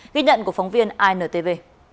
ghi nhận của phóng viên intv